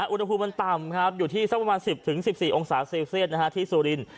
อุณหภูมิมันต่ำครับอยู่ที่สักประมาณ๑๐๑๔องศาเซลเซียตที่สุรินทร์